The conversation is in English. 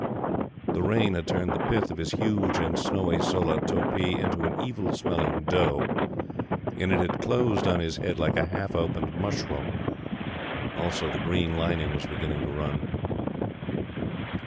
The rain had turned the pith of his huge and snowy solah topee into an evil smelling dough, and it had closed on his head like a half opened mushroom. Also the green lining was beginning to run.